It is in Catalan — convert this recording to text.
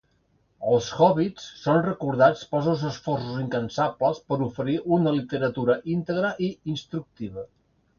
Els Howitts són recordats pels seus esforços incansables per oferir una literatura íntegra i instructiva.